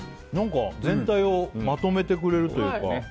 全体をまとめてくれるというか。